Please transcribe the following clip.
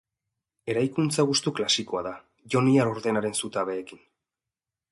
Eraikuntza gustu klasikoa da, Joniar ordenaren zutabeekin.